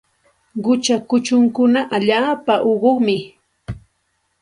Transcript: Qucha kuchunkuna allaapa uqumi.